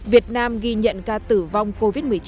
việt nam ghi nhận ca tử vong covid một mươi chín